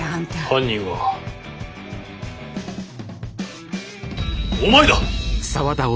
犯人はお前だ！